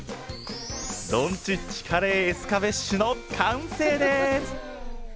どんちっちカレイエスカベッシュの完成です！